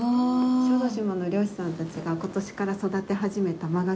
小豆島の漁師さんたちがことしから育て始めた真牡蠣。